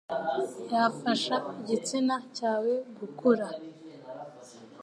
yafasha igitsina cyawe gukura